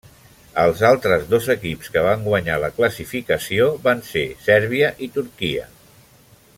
Els altres dos equips que van guanyar la classificació van ser Sèrbia i Turquia.